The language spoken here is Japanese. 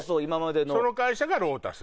その会社がノウタス。